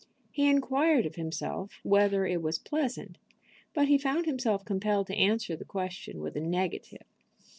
He inquired of himself whether it was pleasant, but he found himself compelled to answer the question with a negative.